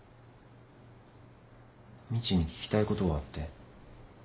みちに聞きたいことがあって。